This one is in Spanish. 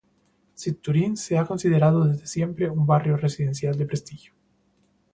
Cit Turin se ha considerado desde siempre un barrio residencial de prestigio.